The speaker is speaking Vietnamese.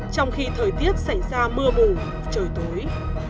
trong khi thời tiết xảy ra mưa mù trời tối